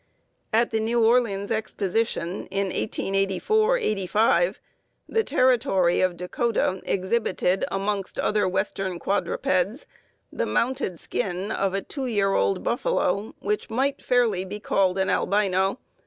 At the New Orleans Exposition, in 1884 '85, the Territory of Dakota exhibited, amongst other Western quadrupeds, the mounted skin of a two year old buffalo which might fairly be called an albino.